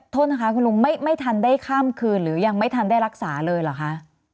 โทษนะคะคุณลุงไม่ทันได้ข้ามคืนหรือยังไม่ทันได้รักษาเลยเหรอคะ